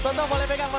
tonton boleh pegang